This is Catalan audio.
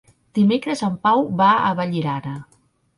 Dimecres en Pau va a Vallirana.